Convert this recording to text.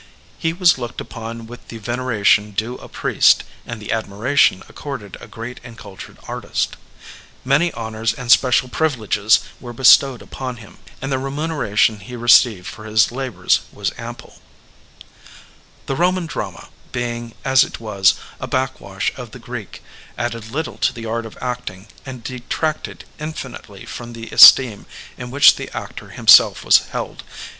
He was looked upon with the veneration due a priest and the admiration accorded a great and cultured artist. Many honors and special privileges were bestowed upon him, and the remuneration he received for his labors was ample. Digitized by Google 476 EVOLUTION OF THE ACTOR The Boman drama, being, as it was, a backwash of the Greek, added little to the art of acting and de tracted infinitely from the esteem in which the actor himself was held.